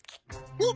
おっ？